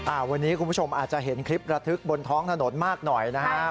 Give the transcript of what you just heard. คุณผู้ชมอาจจะเห็นคลิประทึกบนท้องถนนมากหน่อยนะครับ